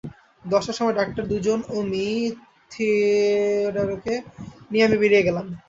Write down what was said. দশটার সময় ডাক্তার দুজন ও মি, থিয়োডোরকে নিয়ে আমি বেরিয়ে এলাম।